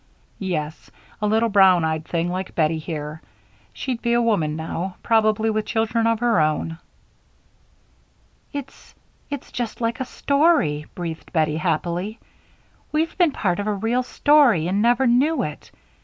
"Yes, a little brown eyed thing like Bettie here she'd be a woman now, probably with children of her own." "It's it's just like a story," breathed Bettie, happily. "We've been part of a real story and never knew it!